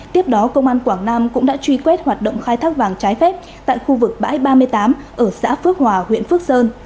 tiếp đó công an quảng nam cũng đã truy quét hoạt động khai thác vàng trái phép tại khu vực bãi ba mươi tám ở xã phước hòa huyện phước sơn